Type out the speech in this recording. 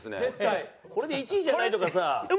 これで１位じゃないとかさ。